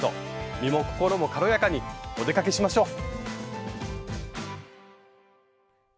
身も心も軽やかにお出かけしましょう！